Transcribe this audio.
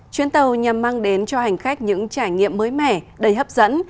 chuyến tàu nhằm mang đến cho hành khách những trải nghiệm mới mẻ đầy hấp dẫn